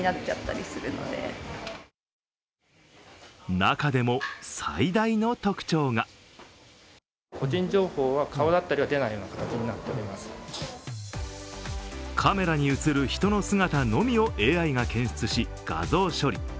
中でも最大の特徴がカメラに映る人の姿のみをＡＩが検出し画像処理。